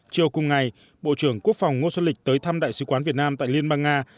chiều cùng ngày bộ trưởng quốc phòng ngô xuân lịch tới thăm đại sứ quán việt nam tại liên bang nga